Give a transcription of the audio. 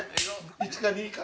１か２か。